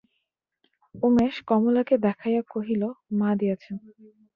উমেশ কমলাকে দেখাইয়া কহিল, মা দিয়াছেন।